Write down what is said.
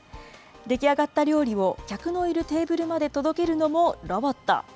出来上がった料理を客のいるテーブルまで届けるのもロボット。